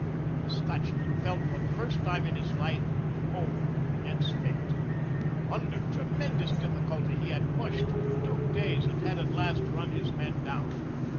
The Scotchman felt for the first time in his life old and spent. Under tremendous difficulty he had mushed for two days and had at last run his men down.